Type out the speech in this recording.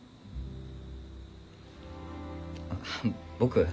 あ僕